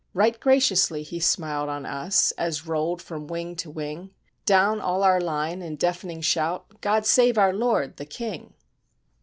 Right graciously he smiled on us, as rolled from wing to wing, Down all our line, in deafening shout, "God save our lord, the King."